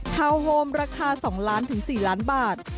โฮมราคา๒ล้านถึง๔ล้านบาท